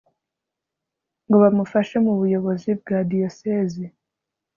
ngo bamufashe mu buyobozi bwa Diyosezi